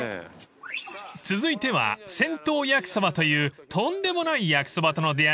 ［続いては銭湯焼きそばというとんでもない焼きそばとの出合いが待っています！］